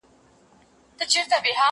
شیرینی به یې لا هم ورته راوړلې